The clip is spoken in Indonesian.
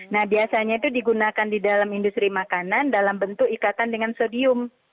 nah biasanya itu digunakan di dalam industri makanan dalam bentuk ikatan dengan sodium